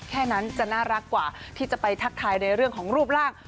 แค่นั้นจะน่ารักกว่าที่จะไปทักทายในเรื่องของรูปร่าง